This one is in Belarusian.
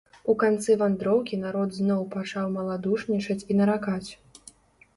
У канцы вандроўкі народ зноў пачаў маладушнічаць і наракаць.